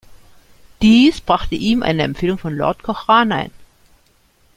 Dies brachte ihm eine Empfehlung von Lord Cochrane ein.